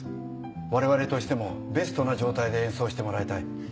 我々としてもベストな状態で演奏してもらいたい。